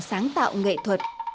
sáng tạo nghệ thuật